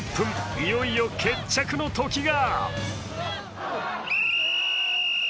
いよいよ決着のときが。